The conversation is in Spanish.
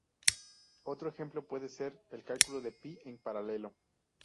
Otro ejemplo, puede ser el cálculo de Pi en paralelo.